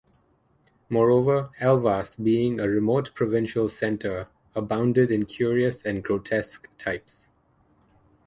Moreover, Elvas, being a remote provincial centre, abounded in curious and grotesque types.